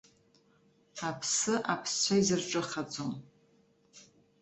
Аԥсы аԥсцәа изырҿыхаӡом.